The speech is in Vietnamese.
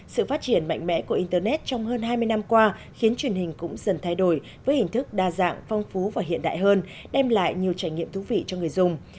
sự phát triển mạnh mẽ của internet trong hơn hai mươi năm qua khiến truyền hình cũng dần thay đổi với hình thức đa dạng phong phú và hiện đại hơn đem lại nhiều trải nghiệm thú vị cho người dùng